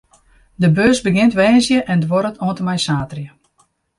De beurs begjint woansdei en duorret oant en mei saterdei.